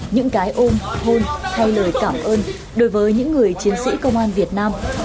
những cái ôm hôn thay lời cảm ơn đối với những người chiến sĩ công an việt nam